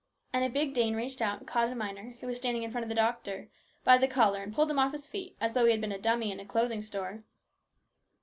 And a big Dane reached out and caught a miner, who was standing in front of the doctor, by the collar and pulled him off his feet, as though he had been a dummy in a clothing store.